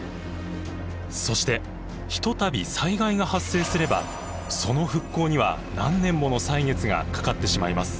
そして一たび災害が発生すればその復興には何年もの歳月がかかってしまいます。